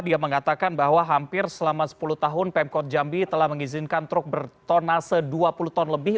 dia mengatakan bahwa hampir selama sepuluh tahun pemkot jambi telah mengizinkan truk bertonase dua puluh ton lebih